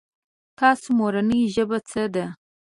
تاسو مورنۍ ژبه څه ده ؟